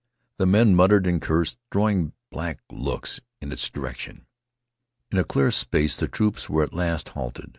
The men muttered and cursed, throwing black looks in its direction. In a clear space the troops were at last halted.